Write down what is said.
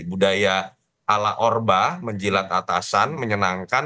budaya ala orba menjilat atasan menyenangkan